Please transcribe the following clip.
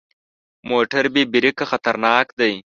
موټر بې بریکه خطرناک دی.